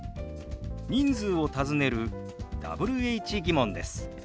人数を尋ねるＷｈ−疑問です。